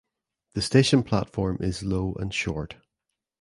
The station platform is low and short.